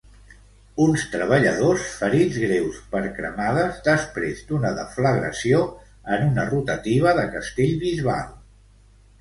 Uns treballadors ferits greus per cremades després d'una deflagració en una rotativa de Castellbisbal.